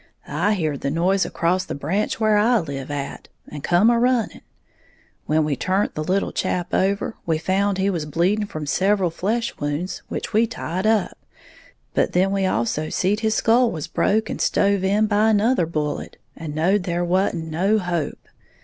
I heared the noise acrost the branch where I live at, and come a running. When we turnt the little chap over, we found he was bleeding from several flesh wounds, which we tied up; but then we also seed his skull was broke and stove in by another bullet, and knowed there wa'n't no hope.